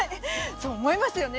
そう思いますよね。